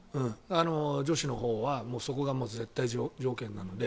女子のほうはそこが絶対条件なので。